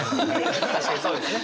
確かにそうですね。